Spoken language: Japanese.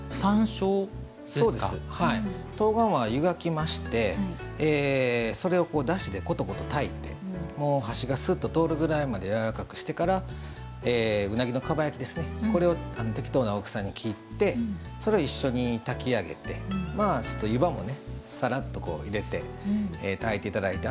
冬瓜は湯がきましてそれを、だしでコトコト炊いて箸がすっと通るぐらいまでやわらかくしてからうなぎのかば焼きを適当な大きさに切ってそれを一緒に炊き上げて湯葉もさらっと入れて炊いていただいて。